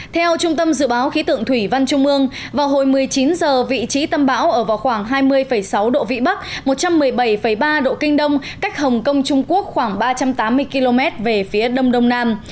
theo trung tâm dự báo khí tượng thủy văn trung ương vào hồi một mươi chín h vị trí tâm bão ở vào khoảng hai mươi sáu độ vĩ bắc một trăm một mươi bảy ba độ kinh đông cách hồng kông trung quốc khoảng ba trăm tám mươi km về phía đông đông nam